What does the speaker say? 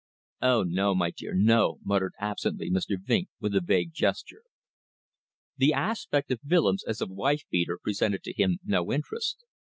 "Oh no, my dear, no," muttered absently Mr. Vinck, with a vague gesture. The aspect of Willems as a wife beater presented to him no interest.